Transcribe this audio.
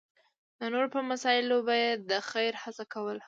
د نورو په مسایلو به یې د خېر هڅه کوله.